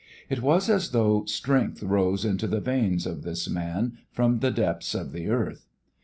It was as though strength rose into the veins of this man from the depths of the earth.